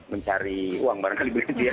mencari uang barangkali begitu ya